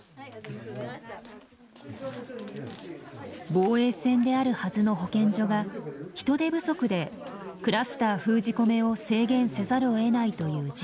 防衛線であるはずの保健所が人手不足でクラスター封じ込めを制限せざるをえないという事態。